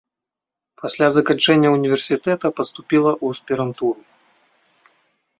Пасля заканчэння універсітэта паступіла ў аспірантуру.